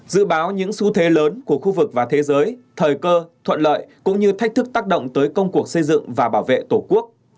dự báo những xu thế lớn của khu vực và thế giới thời cơ thuận lợi cũng như thách thức tác động tới công cuộc xây dựng và bảo vệ tổ quốc